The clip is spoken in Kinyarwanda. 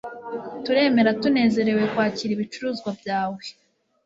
Turemera tunezerewe kwakira ibicuruzwa byawe